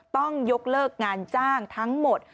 ต้องยกเลิกงานจ้างทั้งหมด